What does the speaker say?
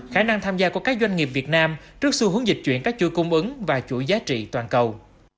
khả năng tham gia của các doanh nghiệp việt nam trước xu hướng dịch chuyển các chuỗi cung ứng và chuỗi giá trị toàn cầu